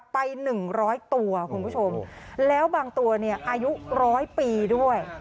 ไปหนึ่งร้อยตัวคุณผู้ชมแล้วบางตัวเนี่ยอายุร้อยปีด้วย